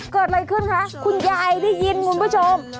เกิดอะไรขึ้นคะคุณยายได้ยินคุณผู้ชม